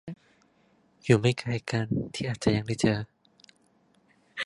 อยู่ไม่ไกลกัน ที่อาจจะยังได้เจอ